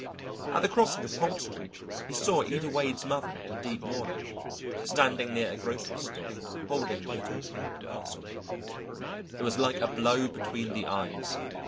At the crossing of Polk Street he saw Ida Wade's mother in deep mourning, standing near a grocery store holding a little pink parcel. It was like a blow between the eyes.